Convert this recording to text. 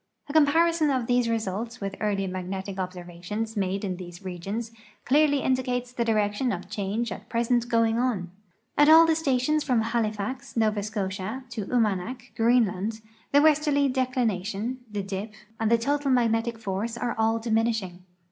A comparison of these results with earlier magnetic observations made in these regions clearly indicates the direction of change at present going on. At all the stations from Halifax, Nova Scotia, to Umanak, Greenland, the westerly declination, the dip^ and the total magnetic force are all diminishing.